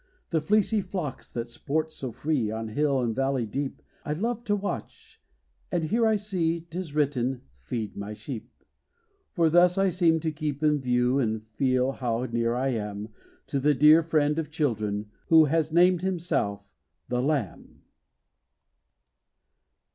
The fleecy flocks, that sport so free On hill and valley deep, I love to watch: and here I see 'T is written, "Feed my sheep." For thus I seem to keep in view, And feel how near I am To that dear friend of children, who Has named himself THE LAMB.